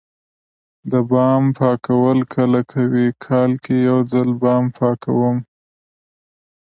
د بام پاکول کله کوئ؟ کال کې یوځل بام پاکوم